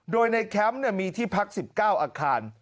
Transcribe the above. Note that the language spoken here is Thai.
โดยในแคมป์มีที่พัก๑๙อาคาร